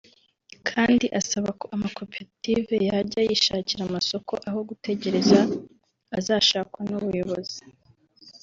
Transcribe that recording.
kandi asaba ko amakoperative yajya yishakira amasoko aho gutegereza azashakwa n’ubuyobozi